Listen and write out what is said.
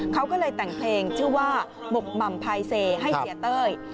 เขาก็เลยแต่งเพลงชื่อว่าหมกหม่ำพายเซให้เสียเต้ย